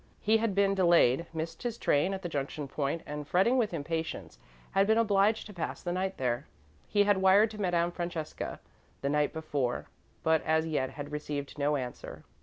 He had been delayed, missed his train at the junction point, and, fretting with impatience, had been obliged to pass the night there. He had wired to Madame Francesca the night before, but, as yet, had received no answer.